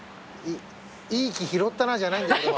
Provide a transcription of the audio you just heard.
「いい木拾ったな」じゃないんですよ。